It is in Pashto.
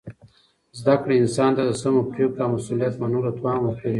زده کړه انسان ته د سمو پرېکړو او مسؤلیت منلو توان ورکوي.